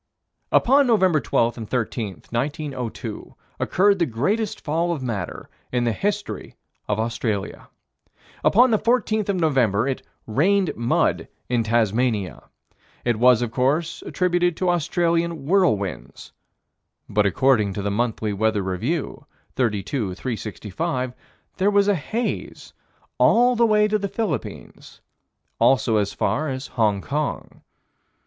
Upon Nov. 12 and 13, 1902, occurred the greatest fall of matter in the history of Australia. Upon the 14th of November, it "rained mud," in Tasmania. It was of course attributed to Australian whirlwinds, but, according to the Monthly Weather Review, 32 365, there was a haze all the way to the Philippines, also as far as Hong Kong.